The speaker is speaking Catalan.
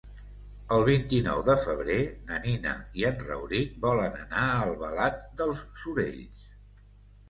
El vint-i-nou de febrer na Nina i en Rauric volen anar a Albalat dels Sorells.